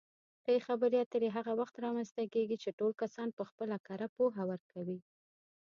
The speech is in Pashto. ښې خبرې اترې هغه وخت رامنځته کېږي چې ټول کسان پخپله کره پوهه ورکوي.